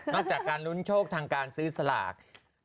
จากการลุ้นโชคทางการซื้อสลาก